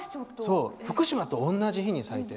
福島と同じ日に咲いて。